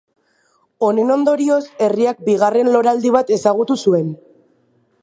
Honen ondorioz herriak bigarren loraldi bat ezagutu zuen.